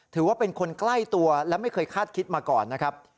ถือว่าเป็นคนใกล้ตัวและไม่เคยคาดคิดมาก่อนนะครับ